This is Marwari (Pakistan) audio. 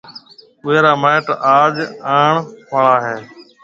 اُوئي را مائيٽ آج آڻ آݪا هيَ۔